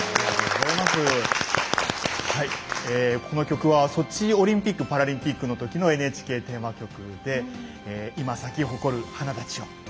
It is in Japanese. この曲はソチオリンピック・パラリンピックのときのＮＨＫテーマ曲で「今咲き誇る花たちよ」。